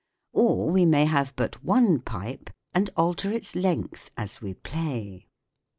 Or we may have but one pipe and alter its length as we play.